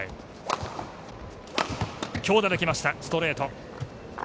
強打で来ましたストレート。